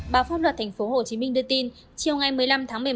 báo pháp luật tp hcm đưa tin chiều ngày một mươi năm tháng một mươi một